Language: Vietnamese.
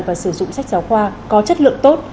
và sử dụng sách giáo khoa có chất lượng tốt